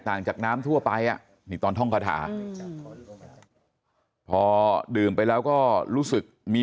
ต่างจากน้ำทั่วไปนี่ตอนท่องคาถาพอดื่มไปแล้วก็รู้สึกมี